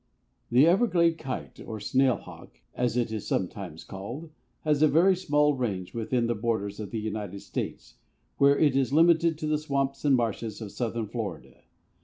The Everglade Kite or Snail Hawk, as it is sometimes called, has a very small range within the borders of the United States, where it is limited to the swamps and marshes of Southern Florida.